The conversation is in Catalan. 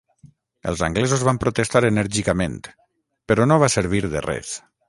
Els anglesos van protestar enèrgicament, però no va servir de res.